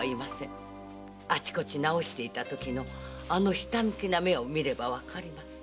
あちこち直していたときのあのひたむきな目を見ればわかります。